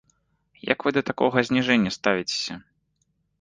Як вы да такога зніжэння ставіцеся?